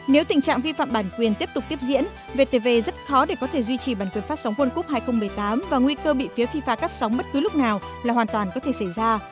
nếu tình trạng vi phạm bản quyền tiếp tục tiếp diễn vtv rất khó để có thể duy trì bản quyền phát sóng world cup hai nghìn một mươi tám và nguy cơ bị phía fifa cắt sóng bất cứ lúc nào là hoàn toàn có thể xảy ra